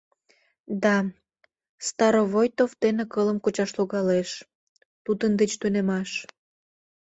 Да, Старовойтов дене кылым кучаш логалеш, тудын деч тунемаш.